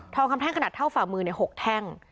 ทองคำแท่งขนาดเท่าฝ่ามือเนี่ย๖แท่ง